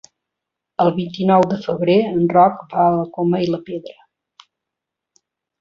El vint-i-nou de febrer en Roc va a la Coma i la Pedra.